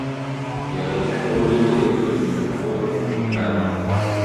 Иара, дышәҟәыҩҩызар илшозма иҿахәы имҳәар?